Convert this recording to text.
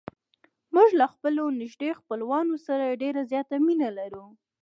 موږ له خپلو نږدې خپلوانو سره ډېره زیاته مینه لرو.